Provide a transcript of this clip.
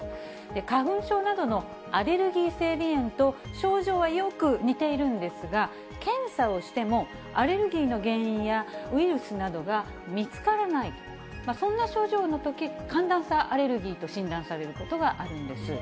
花粉症などのアレルギー性鼻炎と症状はよく似ているんですが、検査をしても、アレルギーの原因やウイルスなどが見つからない、そんな症状のとき、寒暖差アレルギーと診断されることがあるんです。